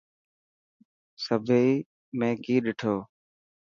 سڀني ۾ ڪئي ڏٺو.